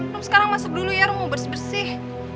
rom sekarang masuk dulu ya rom mau bersih bersih